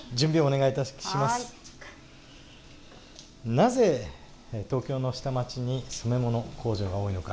なぜ東京の下町に染め物工場が多いのか。